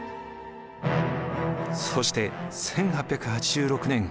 そして１８８６年５月。